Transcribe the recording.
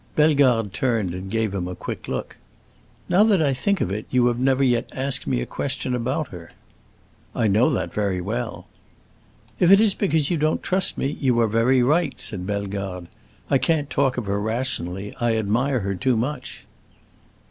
Bellegarde turned and gave him a quick look. "Now that I think of it, you have never yet asked me a question about her." "I know that very well." "If it is because you don't trust me, you are very right," said Bellegarde. "I can't talk of her rationally. I admire her too much."